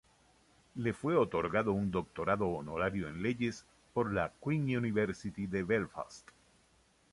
Le fue otorgado un Doctorado honorario en Leyes por la Queen's University de Belfast.